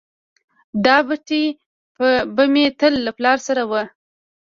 دا بتۍ به مې تل له پلار سره وه.